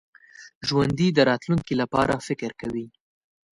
ژوندي د راتلونکي لپاره فکر کوي